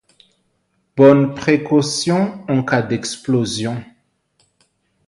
Bonne précaution en cas d’explosion.